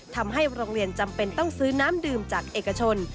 ทำให้โรงเรียนจำเป็นต้องซื้อน้ำดื่มจากเอกชน